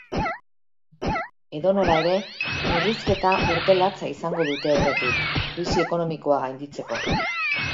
Edonola ere, murrizketa urte latza izango dute aurretik, krisi ekonomikoa gainditzeko.